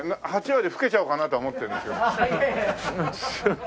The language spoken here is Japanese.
８割ふけちゃおうかなとは思ってるんですよ。